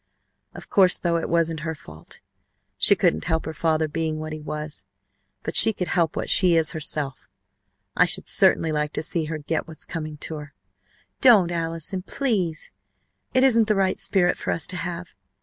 Of course, though, it wasn't her fault. She couldn't help her father being what he was, but she could help what she is herself. I should certainly like to see her get what's coming to her !" "Don't Allison please! It isn't the right spirit for us to have.